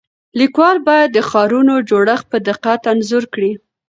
لیکوال باید د ښارونو جوړښت په دقت انځور کړي.